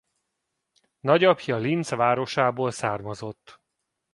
Nagyapja Linz városából származott.